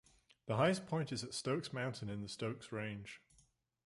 The highest point is at Stokes Mountain in the Stokes Range.